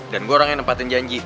gue orang yang nempatin janji